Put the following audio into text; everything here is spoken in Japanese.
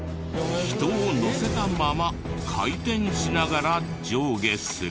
人を乗せたまま回転しながら上下する。